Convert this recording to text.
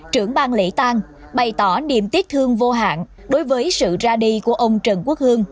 trưởng bàn lễ tăng bày tỏ điểm tiếc thương vô hạn đối với sự ra đi của ông trần quốc hương